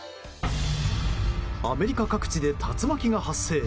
アメリカ各地で竜巻が発生。